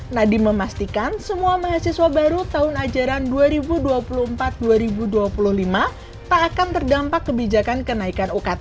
nadiem memastikan semua mahasiswa baru tahun ajaran dua ribu dua puluh empat dua ribu dua puluh lima tak akan terdampak kebijakan kenaikan ukt